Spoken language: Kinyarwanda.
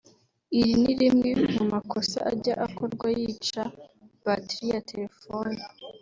Iri ni rimwe mu makosa ajya akorwa yica 'battery' ya telephone